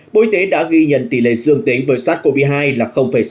bộ y tế đã ghi nhận tỷ lệ dương tính với sars cov hai là sáu mươi bốn